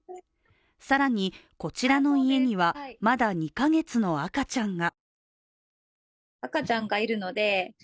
更に、こちらの家にはまだ２か月の赤ちゃんが。